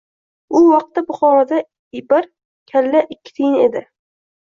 U vaqtda Buxoroda bir kallaikkitiyin edi